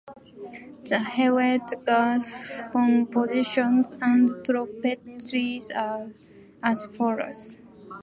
The Hewett gas compositions and properties are as follows.